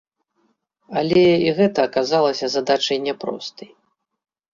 Але і гэта аказалася задачай няпростай.